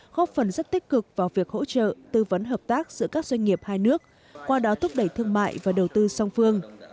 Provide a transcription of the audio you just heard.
góp phần rất tích cực vào việc hỗ trợ tư vấn hợp tác giữa các doanh nghiệp hai nước qua đó thúc đẩy thương mại và đầu tư song phương